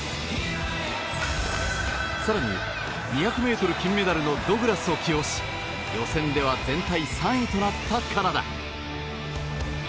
更に２００ｍ金メダルのドグラスを起用し予選では全体３位となったカナダ。